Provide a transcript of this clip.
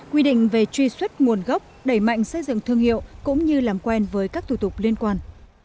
quy định về truy xuất nguồn gốc đẩy mạnh xây dựng thương hiệu cũng như làm quen với các thủ tục liên quan